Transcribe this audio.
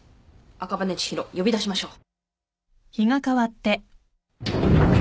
赤羽千尋呼び出しましょう。